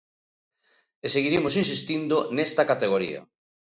E seguiremos insistindo nesta categoría.